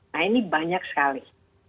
nah ini banyak sekali